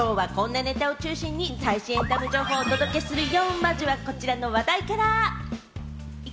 きょうはこんなネタを中心に最新エンタメ情報をお届けするよ！